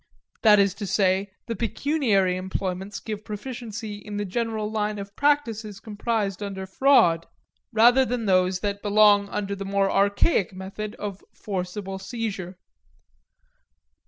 That is to say, the pecuniary employments give proficiency in the general line of practices comprised under fraud, rather than in those that belong under the more archaic method of forcible seizure.